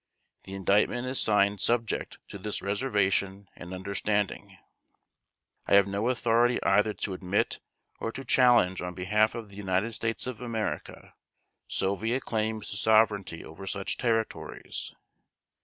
The Indictment is signed subject to this reservation and understanding: I have no authority either to admit or to challenge on behalf of the United States of America, Soviet claims to sovereignty over such territories.